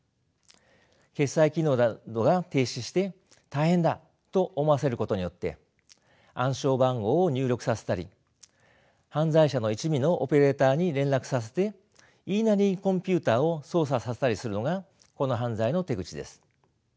決済機能などが停止して大変だと思わせることによって暗証番号を入力させたり犯罪者の一味のオペレーターに連絡させて言いなりにコンピューターを操作させたりするのがこの犯罪の手口です。